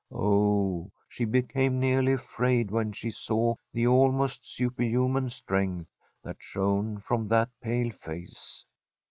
Oh, she became nearly afraid when she saw the almost superhuman strength that shone from that pale face.